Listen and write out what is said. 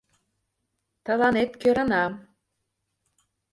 Тыланет кӧрана...